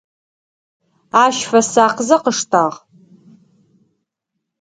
Ащ фэсакъзэ къыштагъ.